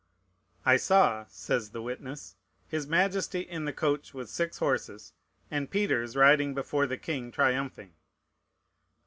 "I saw," says the witness, "his Majesty in the coach with six horses, and Peters riding before the king triumphing." Dr.